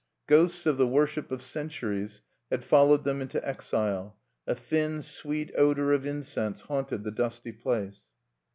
Ghosts of the worship of centuries had followed them into exile; a thin, sweet odor of incense haunted the dusty place.